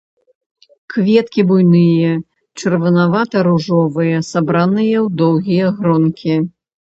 Кветкі буйныя, чырванавата-ружовыя, сабраны ў доўгія гронкі.